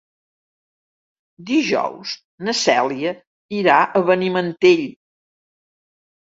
Dijous na Cèlia irà a Benimantell.